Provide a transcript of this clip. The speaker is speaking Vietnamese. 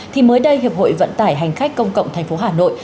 thì mới đây hiệp hội vận tải hành khách công cộng thành phố hà nội